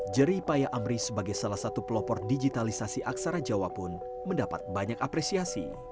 jeri paya amri sebagai salah satu pelopor digitalisasi aksara jawa pun mendapat banyak apresiasi